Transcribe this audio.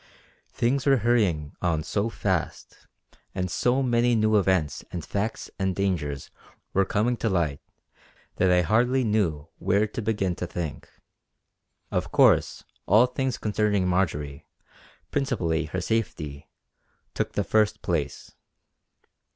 Things were hurrying on so fast; and so many new events and facts and dangers were coming to light, that I hardly knew where to begin to think. Of course all things concerning Marjory, principally her safety, took the first place.